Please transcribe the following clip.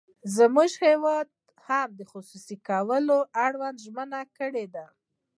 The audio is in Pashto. زموږ هېواد هم د خصوصي کولو اړوند ژمنې کړې دي.